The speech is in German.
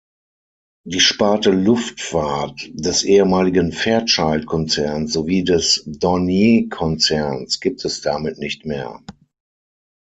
Die Sparte Luftfahrt des ehemaligen Fairchild-Konzerns sowie des Dornier-Konzerns gibt es damit nicht mehr.